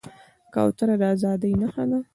کوتره د ازادۍ نښه ده.